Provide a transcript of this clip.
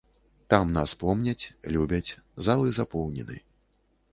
Там нас помняць, любяць, залы запоўнены.